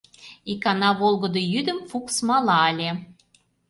Икана волгыдо йӱдым Фукс мала ыле.